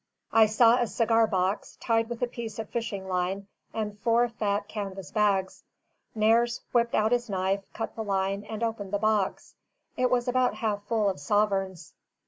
I saw a cigar box, tied with a piece of fishing line, and four fat canvas bags. Nares whipped out his knife, cut the line, and opened the box. It was about half full of sovereigns.